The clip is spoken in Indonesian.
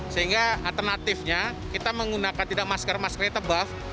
sehingga alternatifnya kita menggunakan tidak masker masker yang terbuff